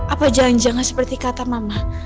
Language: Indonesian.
apa jangan jangan seperti kata mama